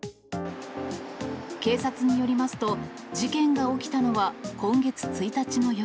警察によりますと、事件が起きたのは今月１日の夜。